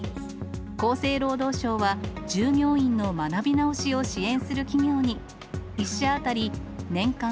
厚生労働省は、従業員の学び直しを支援する企業に、１社当たり年間